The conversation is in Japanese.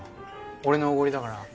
俺のおごりだから。